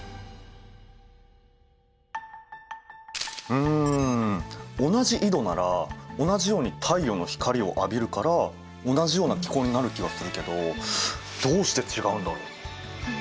うん同じ緯度なら同じように太陽の光を浴びるから同じような気候になる気がするけどどうして違うんだろう？